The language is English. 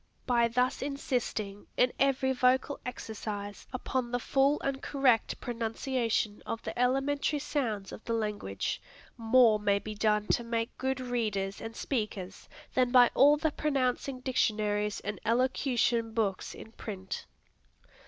By thus insisting, in every vocal exercise, upon the full and correct pronunciation of the elementary sounds of the language, more may be done to make good readers and speakers than by all the pronouncing dictionaries and elocution books in print.